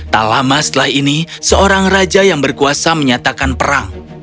tak lama setelah ini seorang raja yang berkuasa menyatakan perang